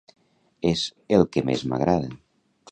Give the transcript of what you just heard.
És el que més m'agrada.